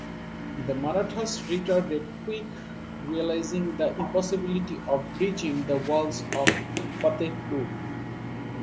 The Marathas retreated quick realising the impossibility of breaching the walls of Fatehpur.